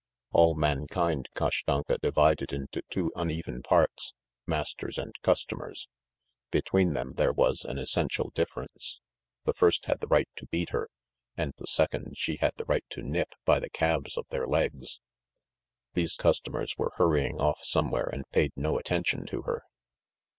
(All mankind Kashtanka divided into two uneven parts: masters and customers; between them there was an essential difference: the first had the right to beat her, and the second she had the right to nip by the calves of their legs.) These customers were hurrying off somewhere and paid no attention to her.